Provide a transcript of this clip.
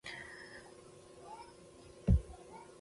کونډه د اينګور مالکه شوه او صدک د مېرمنې خاوند شو.